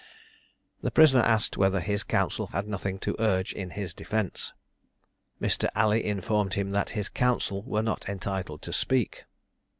The prisoner asked whether his counsel had nothing to urge in his defence? Mr. Alley informed him that his counsel were not entitled to speak.